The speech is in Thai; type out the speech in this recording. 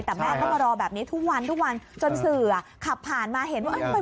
แต่แม่ก็มารอแบบนี้ทุกวันทุกวันจนสื่อขับผ่านมาเห็นว่า